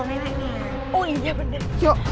makasih anak anak